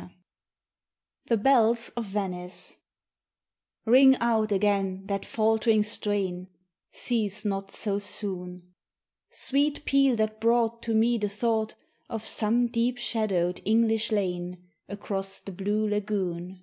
II THE BELLS OF VENICE RING out again that faltering strain, Cease not so soon, Sweet peal that brought to me the thought Of some deep shadowed English lane Across the blue lagoon.